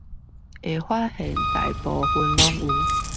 會發現大部分都有